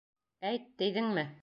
Әйт, тейҙеңме?